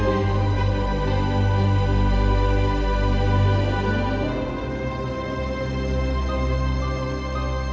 awang di una ke était p minum ini itu memangrak